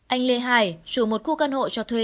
anh lê hải chủ một khu căn hộ cho thuê